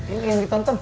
ini yang ditonton